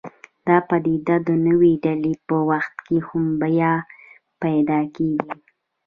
دا پدیده د نوې ډلې په وخت کې هم بیا پیدا کېږي.